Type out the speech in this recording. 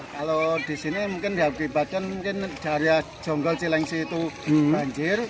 kalau di sini mungkin diakibatkan mungkin dari jonggol cilengsi itu banjir